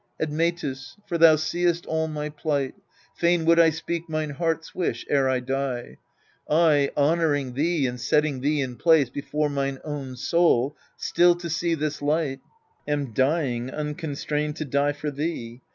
Admetus for thou seest all my plight Fain would I speak mine heart's wish ere I die. I, honouring thee, and setting thee in place Before mine own soul still to see this light, Am dying, unconstrained to die for thee.